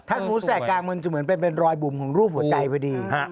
ถ้าสมมุติแสกกลางมันจะเหมือนเป็นรอยบุ่มของรูปหัวใจพอดี